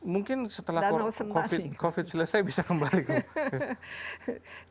mungkin setelah covid selesai bisa kembali ke